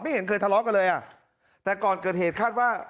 เห็นเคยทะเลาะกันเลยอ่ะแต่ก่อนเกิดเหตุคาดว่า